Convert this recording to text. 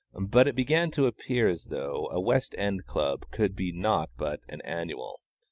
But it began to appear as though a West End Club could be nought but an "annual."